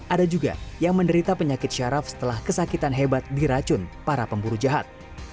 ada juga yang menderita penyakit syaraf setelah kesakitan hebat diracun para pemburu jahat